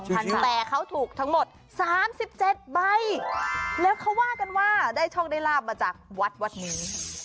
แต่เขาถูกทั้งหมด๓๗ใบแล้วเขาว่ากันว่าได้โชคได้ลาบมาจากวัดวัดนี้